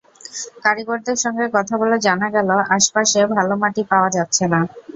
কারিগরদের সঙ্গে কথা বলে জানা গেল, আশপাশে ভালো মাটি পাওয়া যাচ্ছে না।